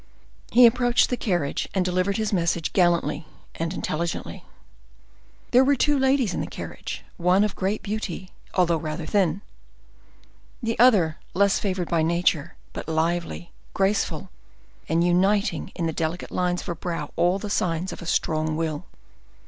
He approached the carriage, and delivered his message gallantly and intelligently. There were two ladies in the carriage: one of great beauty, although rather thin; the other less favored by nature, but lively, graceful, and uniting in the delicate lines of her brow all the signs of a strong will.